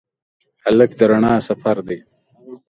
هلک د رڼا سفر دی.